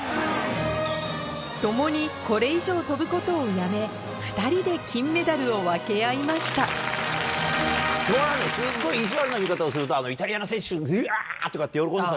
共にこれ以上跳ぶことをやめを分け合いましたすっごい意地悪な言い方をするとイタリアの選手「うわ！」とかって喜んでたじゃん。